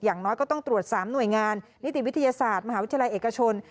อย่างน้อยก็ต้องตรวจ๓หน่วยงานนิติวิทยาศาสตร์มหาวิทยาลัยเอกชน